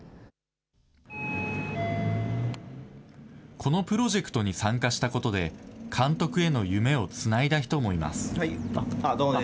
このプロジェクトに参加したことで、監督への夢をつないだ人もいます。